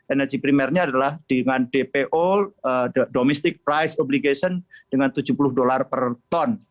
energi primernya adalah dengan dpo dengan tujuh puluh dolar per ton